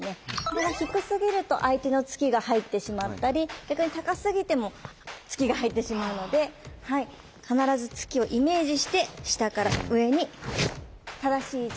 これが低すぎると相手の突きが入ってしまったり逆に高すぎても突きが入ってしまうので必ず突きをイメージして下から上に正しい位置で受けていって下さい。